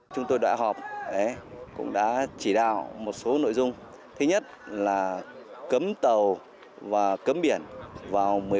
chúng tôi đoại họp cũng đã chỉ đạo một số nội dung thứ nhất là cấm tàu và cấm biển vào một mươi bảy h chiều nay